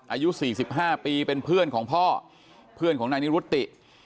อายุ๔๕ปีเป็นเพื่อนของพ่อเพื่อนของนายนิรุติ